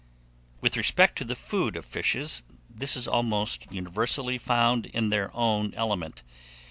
WITH RESPECT TO THE FOOD OF FISHES, this is almost universally found in their own element.